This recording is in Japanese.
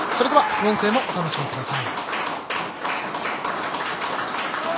それでは、副音声もお楽しみください。